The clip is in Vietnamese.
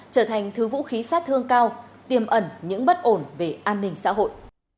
trở thành thứ vũ khí sát thương cao tiềm ẩn những bất ổn về an ninh xã hội